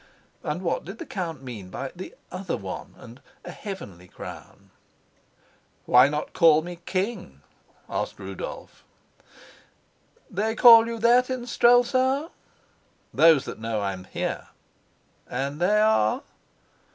And what did the count mean by the "other one" and "a heavenly crown"? "Why not call me king?" asked Rudolf. "They call you that in Strelsau?" "Those that know I'm here." "And they are